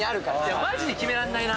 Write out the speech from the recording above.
マジで決めらんないな。